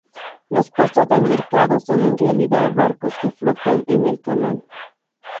Los puestos del mercado son en realidad barcos que flotan en el canal.